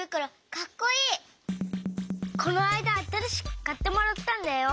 このあいだあたらしくかってもらったんだよ。